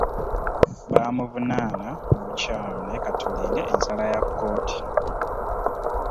Baamuvunaana mu bukyamu naye ka tulinde ensala ya kkooti.